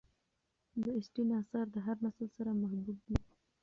د اسټن آثار د هر نسل سره محبوب دي.